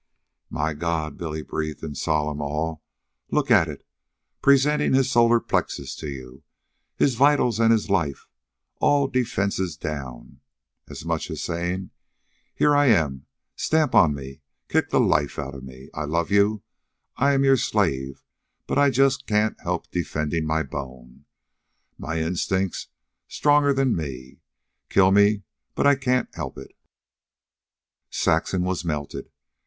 "My God!" Billy breathed in solemn awe. "Look at it! presenting his solar plexus to you, his vitals an' his life, all defense down, as much as sayin': 'Here I am. Stamp on me. Kick the life outa me.' I love you, I am your slave, but I just can't help defendin' my bone. My instinct's stronger'n me. Kill me, but I can't help it." Saxon was melted.